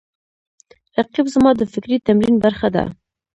رقیب زما د فکري تمرین برخه ده